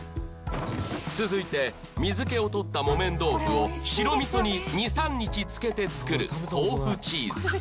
続いて水けをとった木綿豆腐を白みそに２３日漬けて作る豆腐チーズ